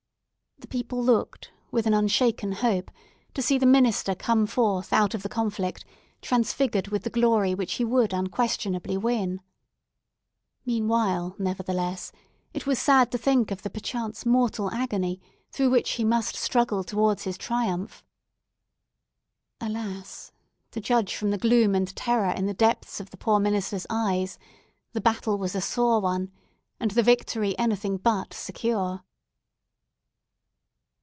The people looked, with an unshaken hope, to see the minister come forth out of the conflict transfigured with the glory which he would unquestionably win. Meanwhile, nevertheless, it was sad to think of the perchance mortal agony through which he must struggle towards his triumph. Alas! to judge from the gloom and terror in the depth of the poor minister's eyes, the battle was a sore one, and the victory anything but secure.